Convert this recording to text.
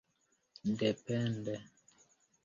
depende